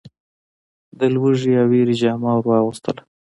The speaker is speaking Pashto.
د لوږې او وېري جامه ور واغوستله .